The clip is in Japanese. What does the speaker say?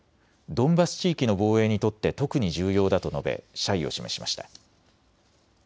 ドンバス地域の防衛にとって特に重要だと述べ謝意を示しました。